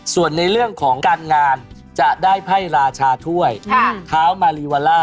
ส่วนในเรื่องของการงานจะได้ไพ่ราชาถ้วยเท้ามารีวาล่า